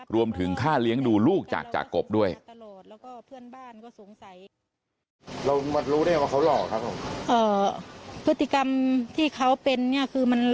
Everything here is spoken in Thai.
รวมถึงค่าเลี้ยงดูลูกจากจากกบด้วย